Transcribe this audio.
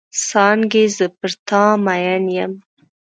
څانګې زه پر تا مئن یم.